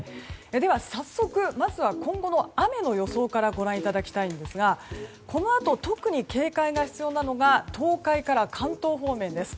では、早速まずは今後の雨の予想からご覧いただきたいんですがこのあと、特に警戒が必要なのが東海から関東方面です。